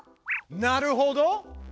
なるほど。